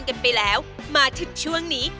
กันไปแล้วมาถึงช่วงนี้